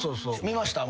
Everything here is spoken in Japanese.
見ました。